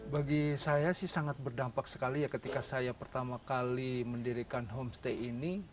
bagi saya sih sangat berdampak sekali ya ketika saya pertama kali mendirikan homestay ini